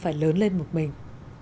và không phải lớn lên một mình